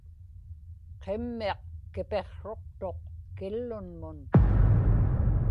qimmiq kipiqsruqtuq killunmun